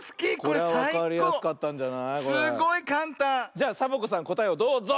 じゃサボ子さんこたえをどうぞ！